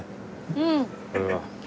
うん。